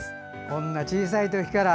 こんな小さい時から。